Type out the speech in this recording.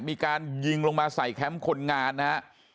มีการยิงลงมาใส่แคมป์คนงานนะฮะ